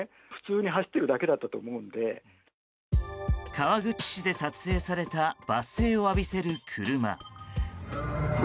川口市で撮影された罵声を浴びせる車。